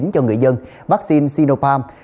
cho người dân vaccine sinopam